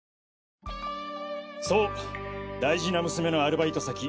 そう大事な娘のアルバイト先